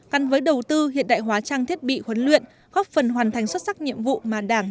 căn với đầu tư hiện đại hóa trang thiết bị huấn luyện góp phần hoàn thành xuất sắc nhiệm vụ mà đảng